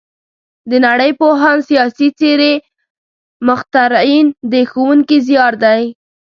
د نړۍ پوهان، سیاسي څېرې، مخترعین د ښوونکي زیار دی.